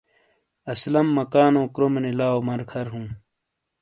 سلم مکانو کرومے نی لاؤ مر کھر ہوں